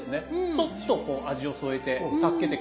そっとこう味を添えて助けてくれるという。